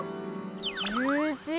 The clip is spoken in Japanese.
ジューシー。